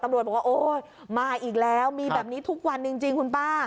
บอกว่าโอ๊ยมาอีกแล้วมีแบบนี้ทุกวันจริงคุณป้า